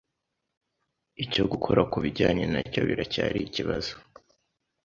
Icyo gukora kubijyanye nacyo biracyari ikibazo.